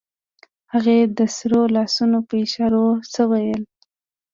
هغې د سرو لاسونو په اشارو څه وويل.